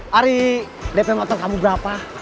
hari dp motong kamu berapa